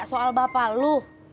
soal bapak lu